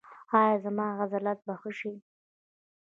ایا زما عضلات به ښه شي؟